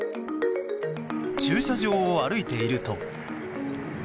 駐車場を歩いていると。